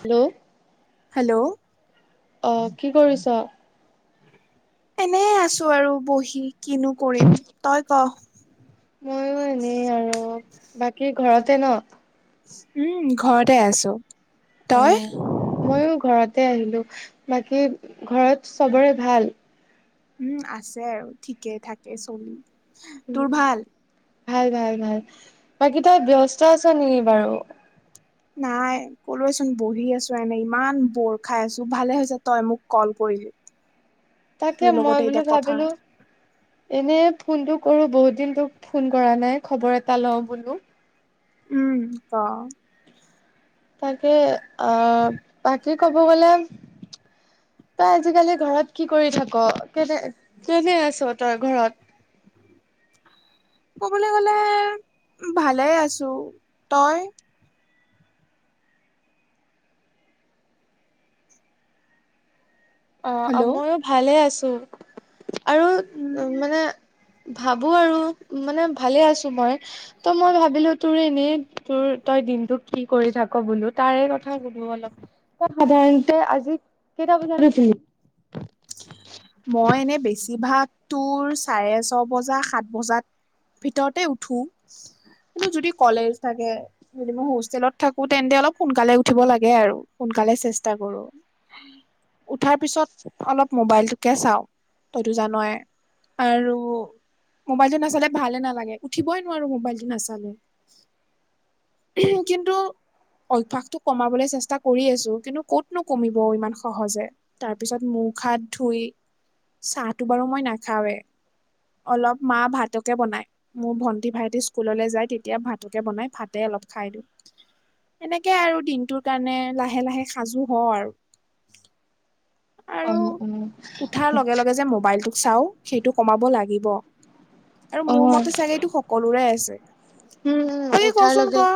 Hello hello অ কি কৰিছ? এনেই আছো আৰু বহি, কিনো কৰিম। তই ক? মইও এনেই আৰু। বাকী ঘৰতে ন? উম, ঘৰতে আছো। তই? মইয়ো ঘৰতে আহিলো। বাকী ঘৰত চবৰে ভাল? উম, আছে আৰু ঠিকেই থাকে চলি। উ, তোৰ ভাল ভাল ভাল বাকী তই ব্যস্ত আছ নেকি বাৰু? নাই কলোয়েচোন বহি আছো, এনে ইমান বৰ খাই আছো, ভালে হৈছে তই মোক কল কৰিলি। তাকে তোৰ মই লগতে বোলো, এতিয়া কথা ভাবিলো। এনে ফোনটো কৰো বহুত দিন তোক ফোন কৰা নাই, খবৰ এটা লওঁ বোলো। উম, অ। তাকে আহ, বাকী কব গলে, তই আজিকালি ঘৰত কি কৰি থাক? কেলেই, কেলেই আছ তই ঘৰত? কবলৈ গ'লে ভালে আছো। তই? অ, হেল্ল' মইও ভালে আছো। আৰু উম মানে, ভাবো আৰু, মানে ভালে আছো মই। ত মই ভাবিলো তোৰ এনেই, তোৰ তই দিনটো কি কৰি থাক বোলো, তাৰে কথা সোধু অলপ। তই সাধাৰণতে আজি কেইটা বজাত উঠিলি? মই এনে বেছিভাগ তোৰ, চাৰে ছ বজাত সাত বজাত, ভিতৰতে উঠো, কিন্তু যদি কলেজ থাকে, যদি মই হোষ্টেলত থাকো তেন্তে অলপ সোনকালে উঠিব লাগে আৰু, সোনকালে চেষ্টা কৰো। [inaudible] উঠাৰ পিছত অলপ মোবাইলটোকে চাও। তইতো জানই। আৰু মোবাইলটো নাচালে ভালে নালাগে। উঠিবই নোৱাৰো মোবাইলটো নাচালে। কিন্ত, অভ্যাসটো কমাবলৈ চেষ্টা কৰি আছো। কিন্তু কতনো কমিব ইমান সহজে। তাৰ পিছত মুখ হাত ধুই। চাহটো বাৰু মই নাখাওৱে, অলপ মা এ ভাতকে বনাই। মোৰ ভন্টি -ভাইটি স্কুললৈ যায়। তেতিয়া ভাতকে বনাই ভাতে অলপ খাই দিওঁ। সেনেকে আৰু দিনটোৰ কাৰণে লাহে -লাহে সাজো হওঁ আৰু। আৰু উম - উম। উঠাৰ লগে -লগে যে, মোবাইলটোক চাওঁ সেইটো কমাব লাগিব। আৰু মোৰ অ', মতে চাগে এইটো সকলোৰে আছে। উম উম বাকী উঠাৰ কচোন লগে ক?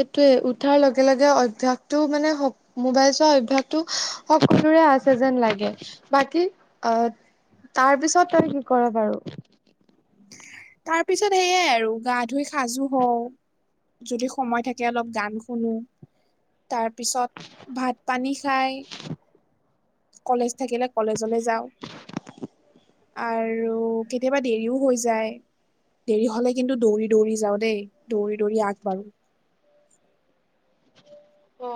সেইটোৱে উঠাৰ লগে -লগে অভ্যাসটো মানে সক মোবাইল চোৱা অভ্যাসটো সকলোৰে আছে যেন লাগে। বাকী আহ, তাৰ পিছত তই কি কৰ বাৰু? তাৰ পিছত সেইয়াই আৰু, গা ধুই সাজো হওঁ। যদি সময় থাকে অলপ গান শুনো। তাৰপিছত ভাত পানী খাই। কলেজ থাকিলে, কলেজলে যাওঁ। আৰু কেতিয়াবা দেৰিও হৈ যায়। দেৰি হলে কিন্তু দৌৰি -দৌৰি যাওঁ দেই। দৌৰি- দৌৰি আগবাঢ়োঁ। অ,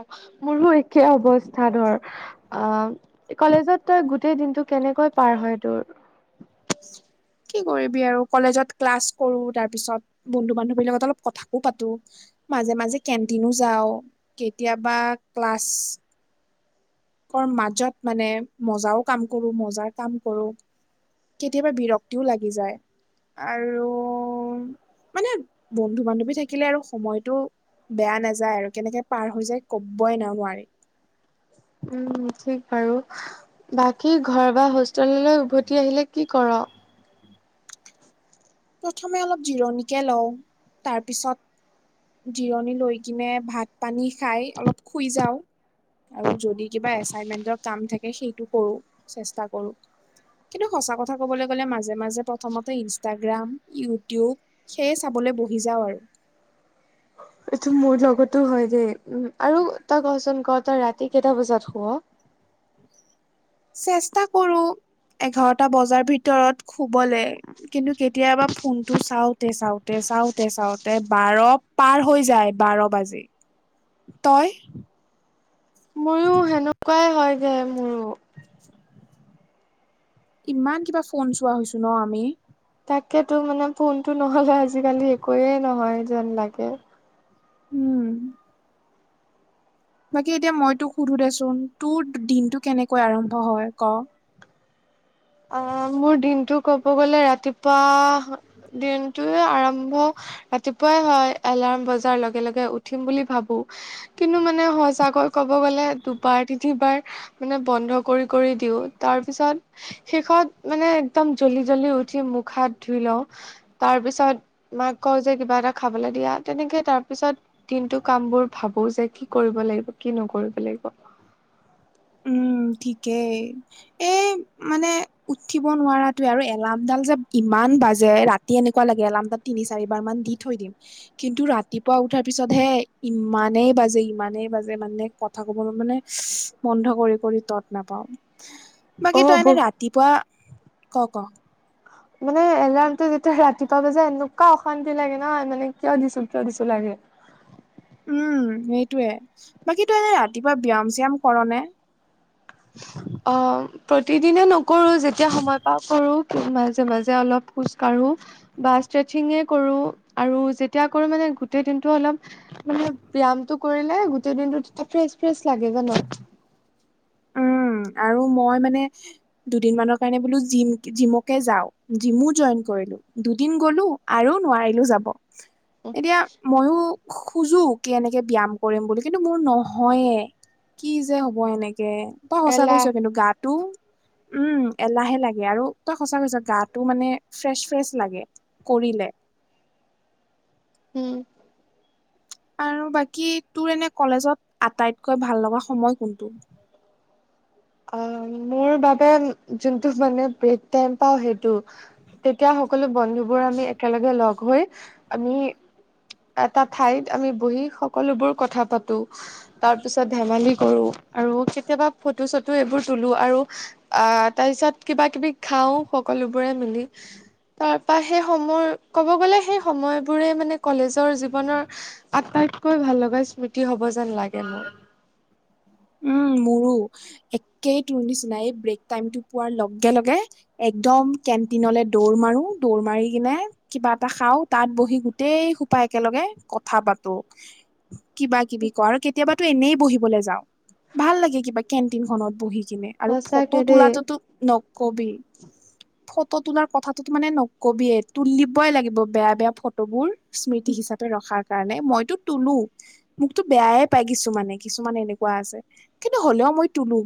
মোৰো একে অৱস্থা ধৰ। অ, কলেজত তই গোটেই দিনটো কেনেকৈ পাৰ হয় তোৰ? [inaudible] কি কৰিবি আৰু। কলেজত ক্লাছ কৰো তাৰ পিছত বন্ধু- বান্ধবী লগত অলপ কথাকো পাতো। মাজে- মাজে কেণ্টিনো যাওঁ। কেতিয়াবা ক্লাছ, ৰ মাজত মানে মজাও কাম কৰো। মজাৰ কাম কৰো। কেতিয়াবা বিৰক্তিও লাগি যায়। আৰু, মানে বন্ধু -বান্ধৱী থাকিলে আৰু সময়টো বেয়া নাযায় আৰু, কেনেকে পাৰ হৈ যায় কবই না নোৱাৰি। উম ঠিক বাৰু বাকী ঘৰ বা হোষ্টেললৈ উভতি আহিলে কি কৰ? প্ৰথমে অলপ জিৰণিকে লওঁ তাৰপিছত জিৰণি লৈ কিনে ভাত পানী খাই অলপ শুই যাওঁ। আৰু যদি কিবা এচাইনমেন্টৰ কাম থাকে সেইটো কৰো চেষ্টা কৰো কিন্তু সঁচা কথা ক'বলৈ গ'লে মাজে মাজে প্ৰথমতে ইনষ্টা গ্ৰাম ইউটিউব সেয়ে চাবলৈ বহি যাওঁ আৰু এইটো মোৰ লগতো হয় দেই উ আৰু তই কচোন ক তই ৰাতি কেইটা বজাত শুৱ? চেষ্টা কৰো এঘাৰটা বজাৰ ভিতৰত শুবলে কিন্তু কেতিয়াবা ফোনটো চাওঁতে চাওঁতে চাওঁতে চাওঁতে বাৰ' পাৰ হৈ যায় বাৰ বাজি তই! মোৰো উম সেনেকুৱাই হয় দে মোৰো ইমান কিবা ফোন চোৱা হৈছো ন আমি তাকেতো মানে ফোনটো নহ'লে আজিকালি একয়ে নহয় যেন লাগে উম বাকী এতিয়া মই তোক সোধো দেচোন তোৰ দিনতটো কেনেকৈ আৰম্ভ হয় ক' অঁ মোৰ দিনটো ক'ব গ'লে ৰাতিপুৱা দিনটোৱে আৰম্ভ ৰাতিপুৱাই হয়। এলাৰ্ম বজাৰ লগে লগে উঠিম বুলি ভাৱোঁ কিন্তু মানে সচাকৈ ক'ব গ'লে দুবাৰ তিনিবাৰ মানে বন্ধ কৰি কৰি দিওঁ তাৰপিছত শেষত মানে একদম জল্দি জল্দি উঠি মুখ-হাত ধুই লওঁ। তাৰপিছত মাক কওঁ যে কিবা এটা খাবলে দিয়া। তেনেকে তাৰপিছত দিনটোৰ কাম বোৰ ভাবোঁ যে কি কৰিব লাগিব, কি নকৰিব লাগিব। উম, ঠিকেই। এই মানে, উঠিব নোৱাৰাটোৱে আৰু এলাৰ্মডাল যে ইমান বাজে ৰাত্ ৰাতি এনেকুৱা লাগে এলাৰ্মডাল তিনি, চাৰিবাৰ মান দি থৈ দিম। কিন্তু ৰাতিপুৱা উঠাৰ পিছতহে ইমানেই বাজে, ইমানেই বাজে মানে কথা ক'বলেমানে বন্ধ কৰি কৰি তত্ নাপাওঁ। বাকী অ' তই এনে বহুত ৰাতিপুৱা ক' ক'? মানে এলাৰ্মটো যেতিয়া হে ৰাতিপুৱা বাজে এনেকুৱা অশান্তি লাগে নহয়, মানে কিয় দিছো কিয় দিছো লাগে। উম, সেইটোৱে। বাকী তই এনে ৰাতিপুৱা ব্যায়াম- শ্যায়াম কৰ নে? চুউউ অঁ প্ৰতিদিনে নকৰোঁ। যেতিয়া সময় পাওঁ কৰোঁ, মাজে মাজে অলপ খোজকাঢ়োঁ। বা স্তেচিঙে কৰোঁ আৰু যেতিয়া কৰোঁ মানে গোটেই দিনটো অলপ মানে ব্যায়ামটো কৰিলে গোটেই দিনটো তেতিয়া ফ্ৰেচ ফ্ৰেচ লাগে জানা। উম আৰু মই মানে দুদিনমানৰ কাৰণে বোলো জিম্ জিমকে যাওঁ। জিমো জইন কৰিলোঁ দুদিন গ'লো আৰু নোৱাৰিলোঁ যাব। এতিয়া মইও খোজো কি এনেকে ব্যায়াম কৰিম বুলি কিন্তু মোৰ নহয়ে। কি যে হ'ব এনেকে। তই সঁচা এলাহ কৈছ কিন্তু গাটো উম, এলাহে লাগে আৰু তই সঁচা কৈছ গাটো মানে ফ্ৰেচ ফ্ৰেচ লাগে কৰিলে। হুম। আৰু বাকী তোৰ এনে কলেজত আটাইতকৈ ভাল লগা সময় কোনটো? আঁ মোৰ বাবে যোনটো মানে ব্ৰেক টাইম পাওঁ সেইটো। তেতিয়া সকলো বন্ধুবোৰ আমি একেলগে লগহৈ আমি এটা ঠাইত আমি বহি সকলোবোৰ কথা পাতো। তাৰপিছত ধেমালি কৰোঁ আৰু কেতিয়াবা ফটো- চটো এইবোৰ তুলো আৰু আঁ তাৰপিছত কিবা-কিবি খাওঁ সকলোবোৰে মিলি। তাৰপৰা সেই সময় ক'ব গ'লে সেই সময়বোৰে মানে কলেজৰ জীৱনৰ আটাইতকৈ ভাল লগা স্মৃতি হ'ব যেন লাগে মোৰ। উম, মোৰো একেই তোৰ নিচিনা এই ব্ৰেক টাইমটো পোৱাৰ লগে লগে একদম কেণ্টিনলে দৌৰ মাৰো, দৌৰ মাৰি কিনে কিবা এটা খাওঁ। তাত বহি গোটেই সোপা একেলগে কথা পাতো। [inaudible] কিবা-কিবি কওঁ আৰু কেতিয়াবাতো এনেই বহিবলে যাওঁ। ভাল লাগে কিবা কেণ্টিনখনত বহি কিনে। আৰু সঁচাকে ফটো দেই। তোলাটোতো নকবি। ফটো তোলাৰ কথাটো মানে নকবিয়ে তুলিবই লাগিব বেয়া বেয়া ফটোবোৰ। স্মৃতি হিচাপে ৰখাৰ কাৰণে। মইতো তুলো, মোকতো বেয়াই পাই কিছুমানে, কিছুমানে এনেক্ কুৱা আছে কিন্তু হ'লেও মই তুলো।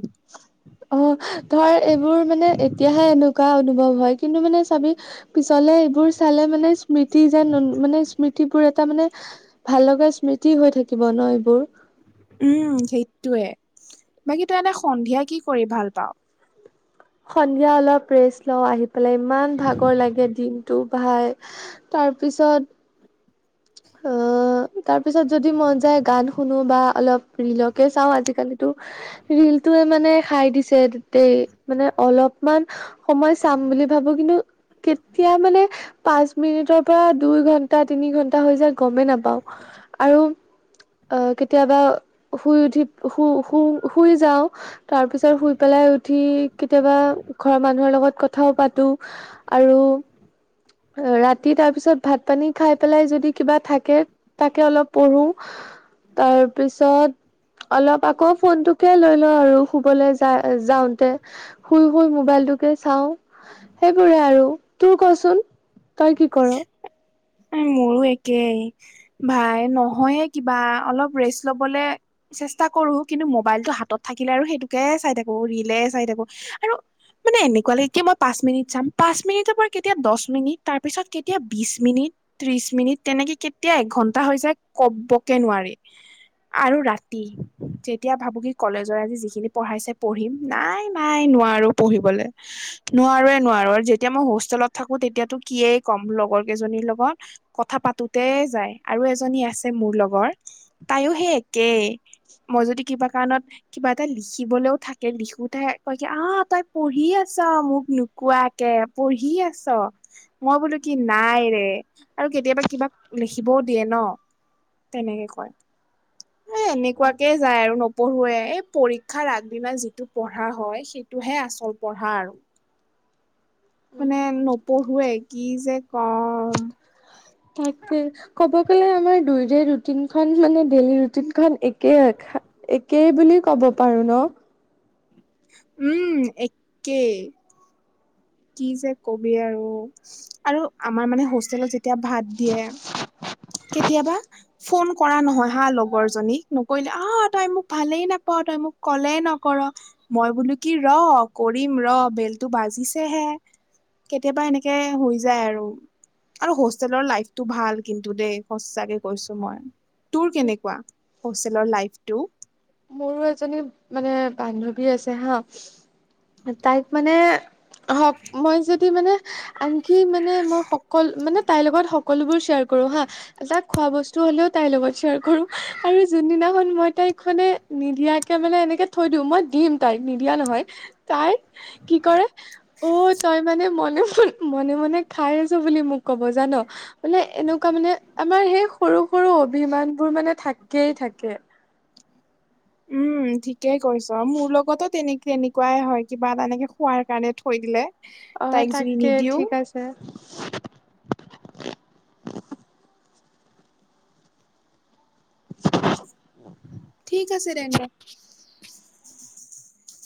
অঁ ধৰ এইবোৰ মানে এতিয়াহে এনেকুৱা অনুভৱ হয় কিন্তু মানে চাবি পিছলে এইবোৰ চালে মানে স্মৃতি যেন অনু মানে স্মৃতিবোৰ এটা মানে ভাল লগা স্মৃতি হৈ থাকিব ন এইবোৰ? উম সেইটোয়ে, বাকী তই এতিয়া সন্ধিয়া কি কৰি ভাল পাও? সন্ধিয়া অলপ ৰেষ্ট লওঁ আহি পেলাই, ইমান ভাগৰ লাগে দিনটো ভাই, তাৰপিছত অঁ অ, তাৰ পিছত যদি মন যায়, গান শুনো বা অলপ ৰিলকে চাওঁ আজিকালিতো ৰিলটোয়ে মানে খাই দিছে দেই মানে অলপমান সময় চাম বুলি ভাবো কিন্তু, কেতিয়া মানে পাঁচ মিনিটৰ পৰা দুই ঘন্টা, তিনি ঘন্টা হৈ যায় গমেই নাপাওঁ, আৰু আহ কেতিয়াবা শুই উঠি শু শু শুই যাওঁ। তাৰ পিছত শুই পেলাই উঠি কেতিয়াবা ঘৰৰ মানুহৰ লগত কথাও পাতো। আৰু ৰাতি তাৰ পিছত ভাত পানী খাই পেলাই যদি কিবা থাকে, তাকে অলপ পঢ়ো। তাৰপিছত অলপ আকৌ ফোনটোকে লৈ লওঁ আৰু শুবলৈ যা যাওঁতে। শুই শুই মোবাইলটোকে চাও সেইবোৰে আৰু। তোৰ কচোন? তই কি কৰ? মোৰো একেই ভাই, নহয়ে কিবা অলপ ৰেষ্ট লবলে চেষ্টা কৰো কিন্তু, মোবাইলটো হাতত থাকিলে আৰু সেইটোকে চাই থাকো, ৰিলে চাই থাকো আৰু মানে এনেকুৱা লাগে মই পাঁচ মিনিট চাম, পাচ মিনিটৰ পৰা কেতিয়াবা দহ মিনিট, তাৰপিছত কেতিয়াবা বিছ মিনিট ত্ৰিশ মিনিট তেনেকে কেতিয়াবা এঘণ্টা হৈ যায় কবকে নোৱাৰি। আৰু ৰাতি, যেতিয়া ভাবোঁ কি কলেজৰ আজি যিখিনি পঢ়াইছে পঢ়িম। নাই নাই নোৱাৰো পঢ়িবলে। নোৱাৰোৱে নোৱাৰো আৰু যেতিয়া মই হোষ্টেলত থাকো, তেতিয়াতো কিয়েই ক'ম লগৰ কেইজনীৰ লগত কথা পাতোতে যায়, আৰু এজনী আছে মোৰ লগৰ তাইও সেই একেই, মই যদি কিবা কাৰণত কিবা এটা লিখিবলৈও থাকে লিখোতে কয় কি, আহ তই পঢ়ি আছ মোক ন নোকোৱাকে পঢ়ি আছ, মই বোলো কি নাই ৰে, আৰু কেতিয়াবা কিবাক লিখিবও দিয়ে ন তেনেকে কয়। এ এনেকুৱাকে যায় আৰু নপঢ়োৱে, পৰীক্ষাৰ আগদিনা যিটো পঢ়া হয় সেইটোহে আচল পঢ়া আৰু। মানে নপঢ়োৱে কি যে কম। তাকে ক'ব গ'লে আমাৰ দুয়োৰে ৰুটিন খন মানে, ডেইলি ৰুটিন খন একে। একেই বুলি কব পাৰো ন? উম। একেই। কি যে কবি আৰু, আৰু আমাৰ মানে হোষ্টেলত যেতিয়া ভাত দিয়ে, কেতিয়াবা ফোন কৰা নহয় হা লগৰ জনীক, নকৰিলে আহ তই মোক ভালেই নাপায় তই মোক কলেই নকৰ' মই বোলো কি ৰ কৰিম ৰ বেলটো বাজিছে হে, কেতিয়াবা এনেকে হৈ যায় আৰু। আৰু হোষ্টেলৰ লাইফটো ভাল কিন্তু দেই সচাকে কৈছো মই। তোৰ কেনেকুৱা? হোষ্টেলৰ লাইফ টো? মোৰো এজনী মানে বান্ধৱী আছে হা, তাইক মানে অহক মই যদি মানে আনকি মানে মই সকল মানে তাইৰ লগত সকলোবোৰ শ্বেয়াৰ কৰো হা জাত খোৱা বস্তু হলেও তাইৰ লগত শ্বেয়াৰ কৰো, আৰু যোনদিনাখন মই তাইক মানে নিদিয়াকে মানে এনেকে থৈ দিওঁ, মই দিম তাইক নিদিয়া নহয়। তাই কি কৰে, ঔ তই মানে মনে মন মনে মনে খাই আছ বুলি মোক ক'ব জান। মানে এনেকুৱা মানে আমাৰ সেই সৰু সৰু অভিমান বোৰ মানে থাকেই থাকে। উম ঠিকেই কৈছ, মোৰ লগতো তেনেকে এনেকুৱাই হয় কিবা এটা এনেকে খোৱাৰ কাৰণে থৈ দিলে। তাইক যদি নিদিও। প [unintelligible] [unintelligible] ঠিক আছে তেন্তে।